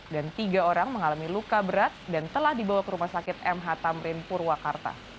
dan tiga orang mengalami luka berat dan telah dibawa ke rumah sakit mh tamrin purwakarta